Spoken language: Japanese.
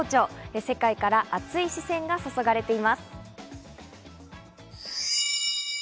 世界から熱い視線が注がれています。